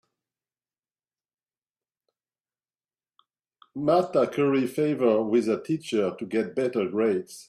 Marta curry favored with her teacher to get better grades.